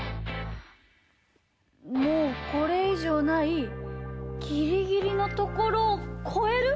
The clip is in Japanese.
もうこれいじょうないギリギリのところをこえる！